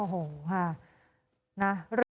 โอ้โหน่ะ